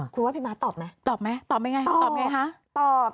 คุณว่าพี่ม้าตอบไหมตอบไหมตอบไงคะตอบตอบ